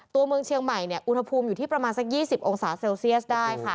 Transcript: ตัวเมืองเชียงใหม่เนี่ยอุณหภูมิอยู่ที่ประมาณสัก๒๐องศาเซลเซียสได้ค่ะ